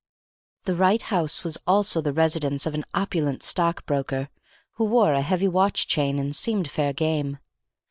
The right house was the residence of an opulent stockbroker who wore a heavy watch chain and seemed fair game.